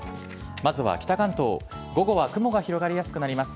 まずは北関東午後は雲が広がりやすくなります。